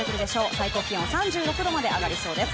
最高気温３６度まで上がります。